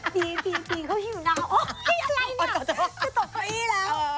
จริงเขาหิวน้ำโอ๊ยอะไรน่ะจะตกข้ออี้แล้ว